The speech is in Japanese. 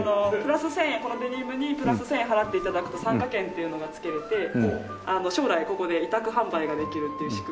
このデニムにプラス１０００円払って頂くと参加権っていうのがつけられて将来ここで委託販売ができるっていう仕組みに。